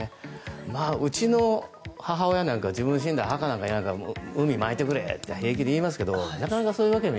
うちの母親なんか自分が死んだら墓なんかいらんから海にまいてくれって平気で言いますけどなかなかそういうわけには。